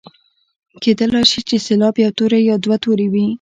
کیدلای شي چې سېلاب یو توری یا دوه توري وي.